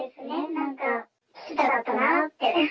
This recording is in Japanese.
なんか、聴きたかったなって。